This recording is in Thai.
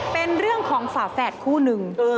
เป็นเรื่องของฝาแฝดคู่หนึ่ง